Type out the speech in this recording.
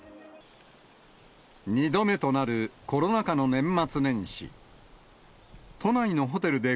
２度目となるコロナ禍の年末年始。